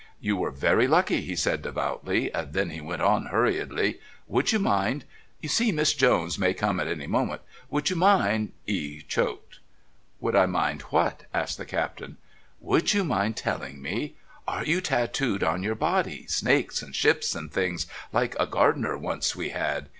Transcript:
"You were very lucky," he said devoutly, then he went on hurriedly: "Would you mind you see, Miss Jones may come at any moment would you mind " he choked. "Would I mind what?" asked the Captain. "Would you mind telling me? Are you tatooed on your body, snakes and ships and things, like a gardener once we had?